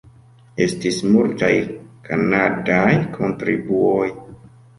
Estis multaj kanadaj kontribuoj.